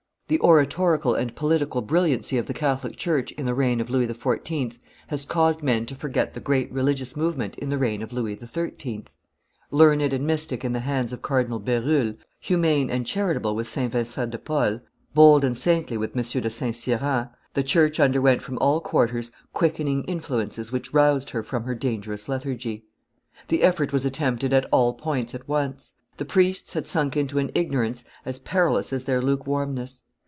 The oratorical and political brilliancy of the Catholic church in the reign of Louis XIV. has caused men to forget the great religious movement in the reign of Louis XIII. Learned and mystic in the hands of Cardinal Berulle, humane and charitable with St. Vincent de Paul, bold and saintly with M. de Saint Cyran, the church underwent from all quarters quickening influences which roused her from her dangerous lethargy. The effort was attempted at all points at once. The priests had sunk into an ignorance as perilous as their lukewarmness.